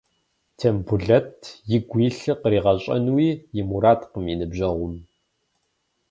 Тембулэт игу илъыр къригъэщӏэнуи и мурадкъым и ныбжьэгъум.